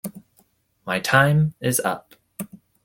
My time is up.